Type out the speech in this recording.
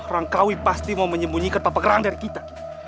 rangkawi pasti mau menyembunyikan papa gerhang dari kita